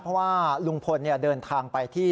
เพราะว่าลุงพลเดินทางไปที่